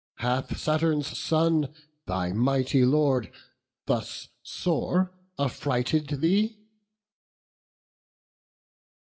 hath Saturn's son, Thy mighty Lord, thus sore affrighted thee?"